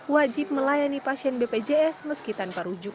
wajib melayani pasien bpjs meski tanpa rujukan